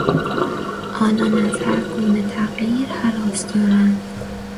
آنان از هر گونه تغییر هراس دارند.